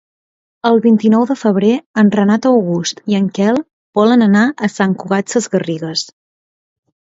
El vint-i-nou de febrer en Renat August i en Quel volen anar a Sant Cugat Sesgarrigues.